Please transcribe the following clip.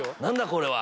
これは！